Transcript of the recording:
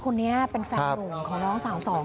คนนี้เป็นแฟนหนุ่มของน้องสาวสอง